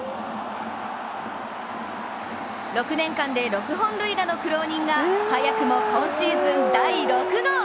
６年間で６本塁打の苦労人が早くも今シーズン第６号！